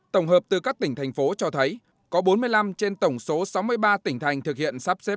tổng hợp từ các tỉnh thành phố cho thấy có bốn mươi năm trên tổng số sáu mươi ba tỉnh thành thực hiện sắp xếp